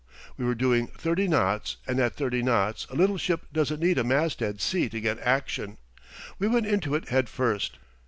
We were doing thirty knots and at thirty knots a little ship doesn't need a masthead sea to get action. We went into it head first.